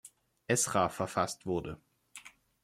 Esra verfasst wurde.